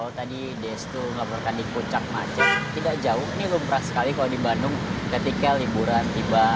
kalau tadi destu melaporkan di puncak macet tidak jauh ini lumrah sekali kalau di bandung ketika liburan tiba